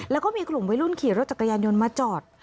แล้วก็มีกลุ่มวัยรุ่นขี่รถจักรยานยนต์มาจอด